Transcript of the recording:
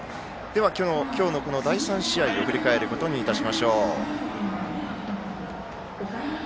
今日の第３試合を振り返ることにいたしましょう。